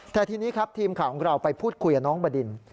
แต่ทีนี้ครับทีมข่าวของเราไปพูดคุยกับน้องบดิน